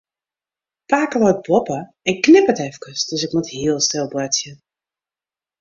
Pake leit boppe en knipperet efkes, dus ik moat hiel stil boartsje.